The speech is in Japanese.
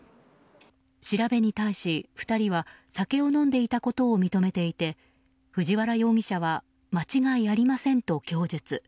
調べに対し、２人は酒を飲んでいたことを認めていて藤原容疑者は間違いありませんと供述。